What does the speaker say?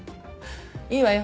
いいわよ。